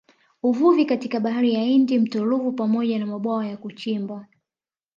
Uvuvi katika Bahari ya Hindi mto Ruvu pamoja na mabwawa ya kuchimba